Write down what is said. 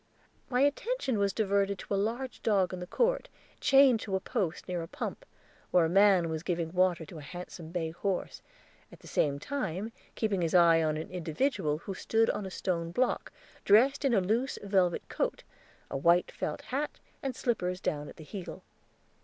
My attention was diverted to a large dog in the court, chained to a post near a pump, where a man was giving water to a handsome bay horse, at the same time keeping his eye on an individual who stood on a stone block, dressed in a loose velvet coat, a white felt hat, and slippers down at the heel.